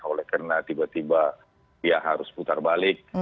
oleh karena tiba tiba ya harus putar balik